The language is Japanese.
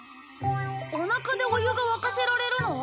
おなかでお湯が沸かせられるの？